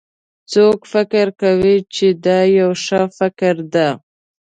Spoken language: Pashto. څوک فکر کوي چې دا یو ښه فکر ده